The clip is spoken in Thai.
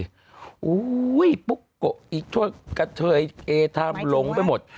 อีกพุกโกะคนเดียวเคยทำลงไปหมด